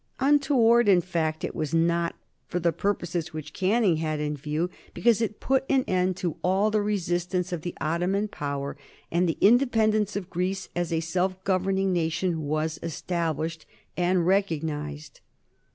Untoward, in fact, it was not, for the purposes which Canning had in view, because it put an end to all the resistance of the Ottoman Power, and the independence of Greece as a self governing nation was established, and recognized.